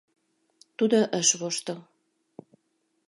Тудо ыш воштыл.